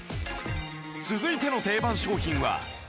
続いての定番商品は